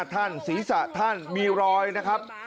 ท่านศีรษะท่านมีรอยนะครับ